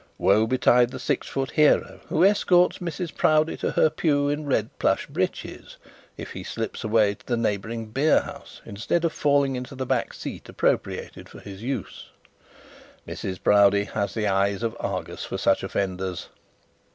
Woe betide the six foot hero who escorts Mrs Proudie to her pew in red plush breeches, if he slips away to the neighbouring beer shop, instead of falling into the back seat appropriated to his use. Mrs Proudie has the eyes of Argus for such offenders.